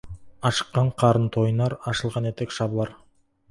Ашыққан қарын тойынар, ашылған етек жабылар.